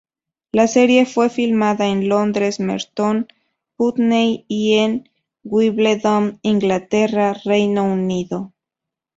La serie fue filmada en Londres, Merton, Putney y en Wimbledon, Inglaterra, Reino Unido.